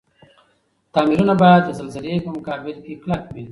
تعميرونه باید د زلزلي په مقابل کي کلک وی.